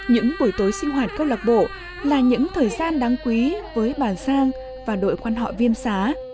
những buổi tối sinh hoạt câu lạc bộ là những thời gian đáng quý với bà giang và đội quan họ viên xá